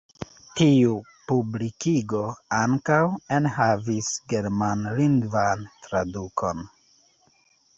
Tiu publikigo ankaŭ enhavis germanlingvan tradukon.